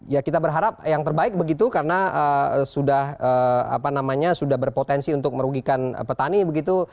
ya kita berharap yang terbaik begitu karena sudah berpotensi untuk merugikan petani begitu